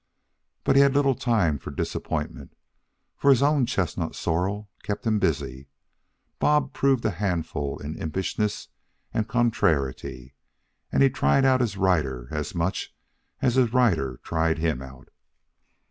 But he had little time for disappointment, for his own chestnut sorrel kept him busy. Bob proved a handful of impishness and contrariety, and he tried out his rider as much as his rider tried him out.